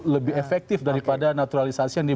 lebih efektif daripada naturalisasi yang di